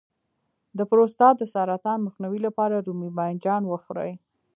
د پروستات د سرطان مخنیوي لپاره رومي بانجان وخورئ